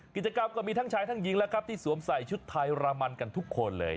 ก็มีทั้งชายทั้งหญิงแล้วครับที่สวมใส่ชุดไทยรามันกันทุกคนเลย